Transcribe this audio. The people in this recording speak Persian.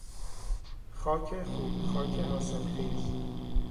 خاک خوب، خاک حاصلخیز